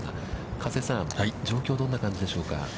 加瀬さん、状況どんな感じでしょうか。